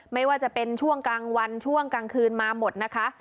ไม่ว่าจะเป็นช่วงกลางวันช่วงกลางคืนมาหมดนะคะ